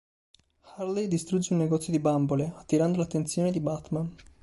Harley distrugge un negozio di bambole, attirando l'attenzione di Batman.